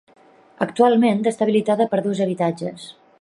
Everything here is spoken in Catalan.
Actualment està habilitada per dos habitatges.